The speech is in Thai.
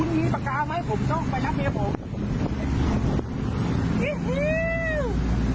มีปากกาไหมผมต้องไปนับเฮียโหแล้ว